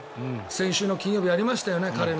先週の金曜日ありましたよね